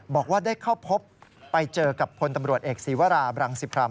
บอกว่าได้เข้าพบไปเจอกับพลตำรวจเอกศีวราบรังสิพราม